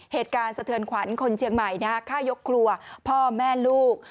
เหตุการณ์สะเทือนขวัญคนเชียงใหม่ค่ายกครัวพ่อแม่ลูก